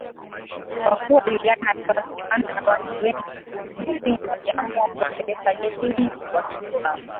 Kwa kuwa Juliana alikuwa akijuana na watu wengi jesiniwaliamua kuwapeleka jeshini Watoto wao